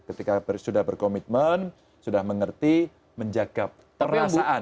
ketika sudah berkomitmen sudah mengerti menjaga perasaan